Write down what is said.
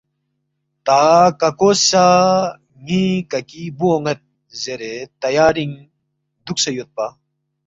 تا ککو سہ ن٘ی ککی بُو اون٘ید زیرے تیارِنگ دُوکسے یودپا